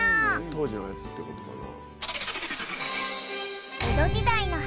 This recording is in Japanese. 当時のやつってことかな。